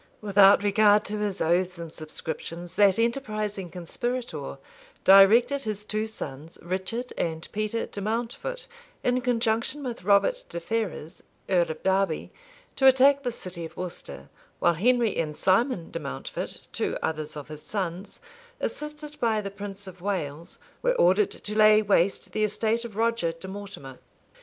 Without regard to his oaths and subscriptions, that enterprising conspirator directed his two sons, richard and Peter de Mountfort, in conjunction with Robert de Ferrers, earl of Derby, to attack the city of Worcester; while Henry and Simon de Mountfort, two others of his sons, assisted by the prince of Wales, were ordered to lay waste the estate of Roger de Mortimer.